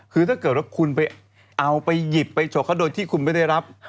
คือถ้าเกิดว่าคุณไปเอาไปหยิบไปฉกเขาโดยที่คุณไม่ได้รับ